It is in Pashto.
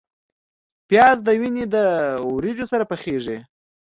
پیاز د وینې د وریجو سره پخیږي